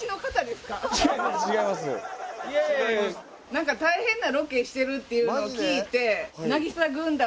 何か大変なロケしてるっていうのを聞いて渚軍団。